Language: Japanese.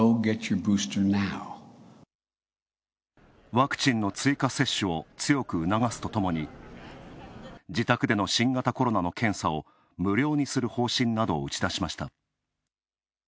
ワクチンの追加接種を強く促すとともに自宅での新型コロナの検査を無料にする方針などを打ち出しました。